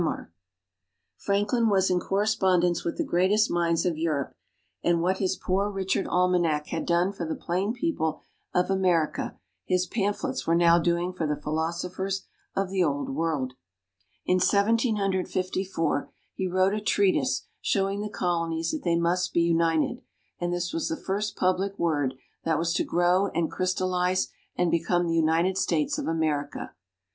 Franklin was in correspondence with the greatest minds of Europe, and what his "Poor Richard Almanac" had done for the plain people of America, his pamphlets were now doing for the philosophers of the Old World. In Seventeen Hundred Fifty four, he wrote a treatise showing the Colonies that they must be united, and this was the first public word that was to grow and crystallize and become the United States of America.